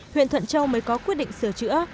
huyện thuận châu mới có quyết định sửa chữa